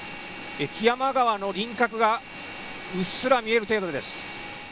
木山川の輪郭がうっすら見える程度です。